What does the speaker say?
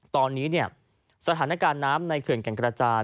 ตอนนี้เนี่ยสถานการณ์น้ำในเขื่อนแก่งกระจาน